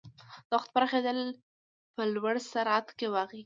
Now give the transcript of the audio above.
د وخت پراخېدل په لوړ سرعت کې واقع کېږي.